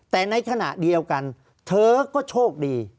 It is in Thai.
ภารกิจสรรค์ภารกิจสรรค์